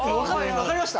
分かりました？